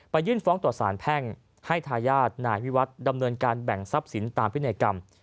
ยื่นฟ้องต่อสารแพ่งให้ทายาทนายวิวัตรดำเนินการแบ่งทรัพย์สินตามพินัยกรรม